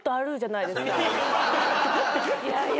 いやいや。